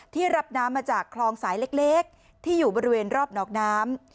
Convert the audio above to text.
รับน้ำมาจากคลองสายเล็กที่อยู่บริเวณรอบหนองน้ำ